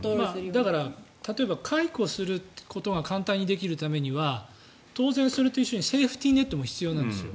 だから例えば解雇することが簡単にできるためには当然それと一緒にセーフティーネットも必要なんですよ。